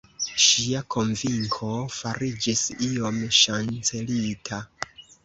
Ŝia konvinko fariĝis iom ŝancelita.